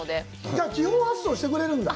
じゃあ地方発送してくれるんだ。